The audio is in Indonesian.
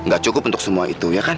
gak cukup untuk semua itu ya kan